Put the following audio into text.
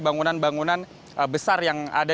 bangunan bangunan besar yang ada